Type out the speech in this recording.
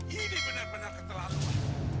ini benar benar keterlaluan